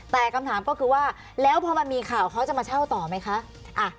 แต่คำถามก็คือว่าแล้วพอมันมีข่าวเขาจะมาเช่าต่อไหมคะ